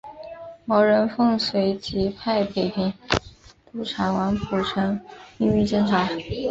毛人凤随即派北平督察王蒲臣秘密侦查。